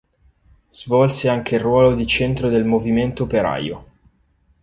Svolse anche il ruolo di centro del movimento operaio.